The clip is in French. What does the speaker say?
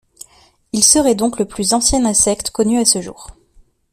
Il serait donc le plus ancien insecte connu à ce jour.